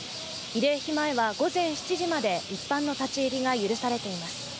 慰霊碑前は午前７時まで、一般の立ち入りが許されています。